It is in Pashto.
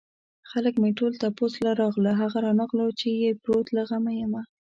خلک مې ټول تپوس له راغله هغه رانغلو چې يې پروت له غمه يمه